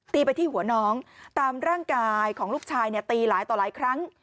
ไปที่หัวน้องตามร่างกายของลูกชายเนี่ยตีหลายต่อหลายครั้ง